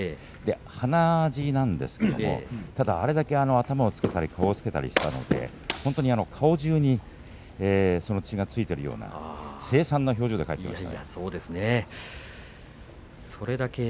鼻血なんですがあれだけ頭をつけたり顔をつけてきたので、本当に顔じゅうに血がついているような凄惨な表情で帰ってきました。